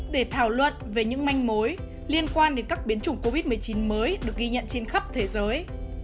để thảo luận về những manh mối liên quan đến các biến chủng covid một mươi chín mới được ghi nhận trên khắp thế giới